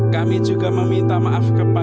kami juga meminta